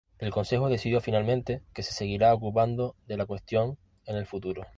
El Consejo decidió finalmente que se seguiría ocupando de la cuestión en el futuro.